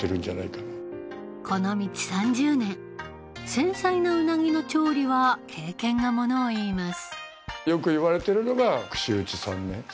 繊細なうなぎの調理は経験がものをいいます